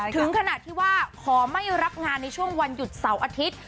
ถึงขนาดที่ว่าขอไม่รับงานในช่วงวันหยุดเสาร์อาทิตย์